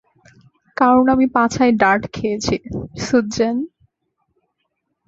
কারণ আমি পাছায় ডার্ট খেয়েছি, সুজ্যান!